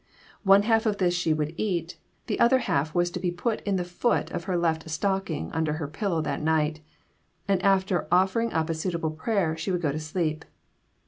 One half of this she would eat; the other half was put in the foot of her left stocking under her pillow that night; and after offering up a suitable prayer, she would go to sleep.